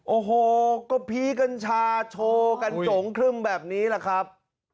โอ้โหที่กันชาติโชว์กันจงขึ้นแบบนี้แหละครับ